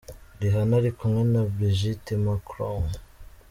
Rihanna ari kumwe na Brigitte Macron.